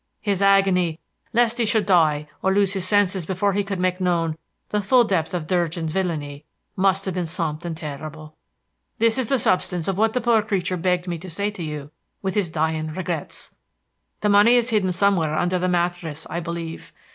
His agony, lest he should die or lose his senses before he could make known the full depth of Durgin's villainy, must have been something terrible. This is the substance of what the poor creature begged me to say to you with his dying regrets. The money is hidden somewhere under the mattress, I believe.